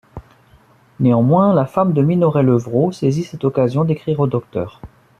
Néanmoins, la femme de Minoret-Levrault saisit cette occasion d’écrire au docteur.